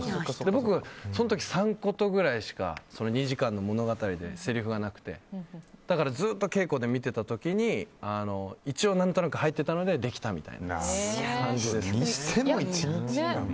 僕がその時、三言ぐらいしか２時間の物語でせりふがなくてだからずっと稽古で見ていた時に一応、何となく入っていたのでにしても１日だもん。